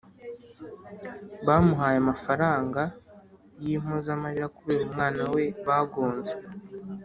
Bamuhaye amafaranga y’impoza marira kubera umwana we bagonze